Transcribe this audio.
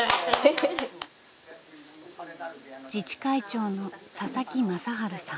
自治会長の佐々木正晴さん。